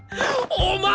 お前！